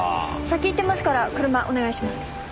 先行ってますから車お願いします。